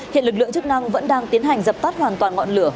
hiện lực lượng chức năng vẫn đang tiến hành dập tắt hoàn toàn ngọn lửa